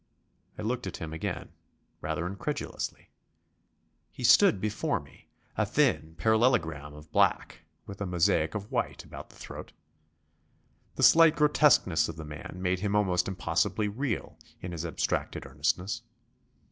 I looked at him again, rather incredulously. He stood before me, a thin parallelogram of black with a mosaic of white about the throat. The slight grotesqueness of the man made him almost impossibly real in his abstracted earnestness.